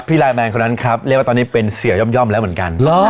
พี่ไลน์แมนคนนั้นครับเรียกว่าตอนนี้เป็นเสี่ยวย่อมย่อมแล้วเหมือนกันเหรอ